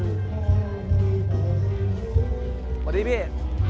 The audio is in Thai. สวัสดีพี่